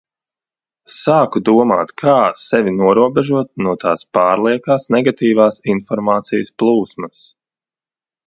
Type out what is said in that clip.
Sāku domāt, kā sevi norobežot no tās pārliekās negatīvās informācijas plūsmas.